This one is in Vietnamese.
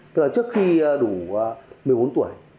thì là trước khi đủ một mươi bốn tuổi